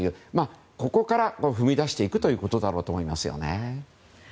ここから一歩踏み出していくということだと思いますよね。